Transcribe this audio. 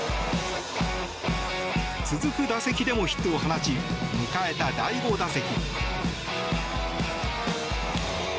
続く打席でもヒットを放ち迎えた第５打席。